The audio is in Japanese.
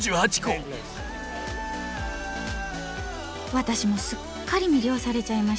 私もすっかり魅了されちゃいました。